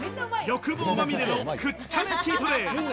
欲望まみれの食っちゃ寝チートデイ。